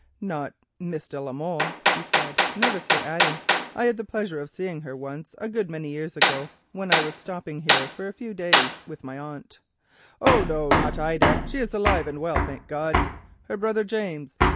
"Not—not Miss de la Molle?" he said nervously, adding, "I had the pleasure of seeing her once, a good many years ago, when I was stopping here for a few days with my aunt." "Oh, no, not Ida, she is alive and well, thank God. Her brother James.